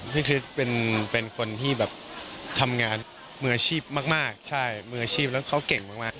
คริสเป็นคนที่แบบทำงานมืออาชีพมากใช่มืออาชีพแล้วเขาเก่งมาก